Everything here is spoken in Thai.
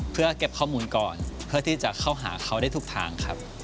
เพื่อเก็บข้อมูลก่อนเพื่อที่จะเข้าหาเขาได้ทุกทางครับ